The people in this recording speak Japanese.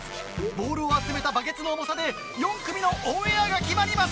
ボールを集めたバケツの重さで４組のオンエアが決まります！